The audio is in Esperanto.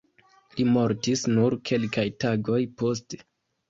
Li mortis nur kelkaj tagoj poste.